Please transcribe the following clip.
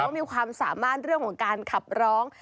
มีความสามารถเรื่องของการขับร้อง